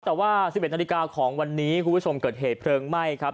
แต่ว่า๑๑นาฬิกาของวันนี้คุณผู้ชมเกิดเหตุเพลิงไหม้ครับ